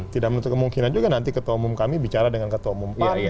tidak menutup kemungkinan juga nanti ketua umum kami bicara dengan ketua umum pan